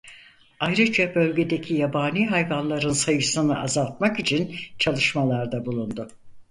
Ayrıca bölgedeki yabani hayvanların sayısını azaltmak için çalışmalarda bulundu.